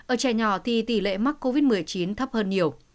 ở trẻ nhỏ thì tỷ lệ mắc covid một mươi chín thấp hơn nhiều